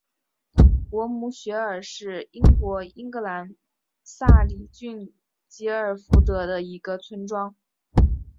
果姆雪尔是英国英格兰萨里郡吉尔福德的一个村庄。